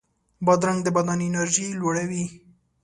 بادرنګ د بدن انرژي لوړوي.